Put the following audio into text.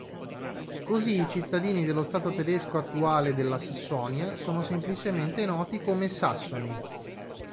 Così i cittadini dello Stato tedesco attuale della Sassonia sono semplicemente noti come Sassoni.